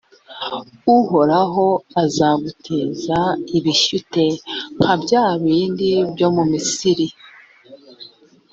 uhoraho azaguteza ibishyute, nka bya bindi byo mu misiri;